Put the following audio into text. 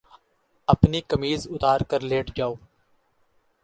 أپنی قمیض اُتار کر لیٹ جاؤ